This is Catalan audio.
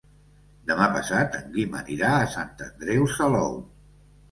Demà passat en Guim anirà a Sant Andreu Salou.